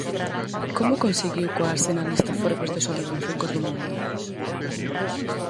Como conseguiu coarse na lista Forbes dos homes máis ricos do mundo?